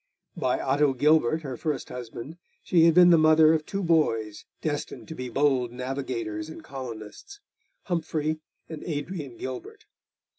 By Otto Gilbert, her first husband, she had been the mother of two boys destined to be bold navigators and colonists, Humphrey and Adrian Gilbert.